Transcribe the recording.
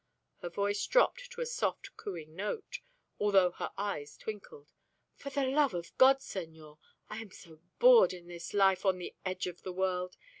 Her voice dropped to a soft cooing note, although her eyes twinkled. "For the love of God, senor! I am so bored in this life on the edge of the world!